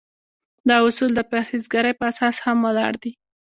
دا اصول د پرهیزګارۍ په اساس هم ولاړ دي.